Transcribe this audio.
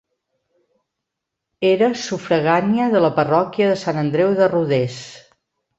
Era sufragània de la parròquia de Sant Andreu de Rodés.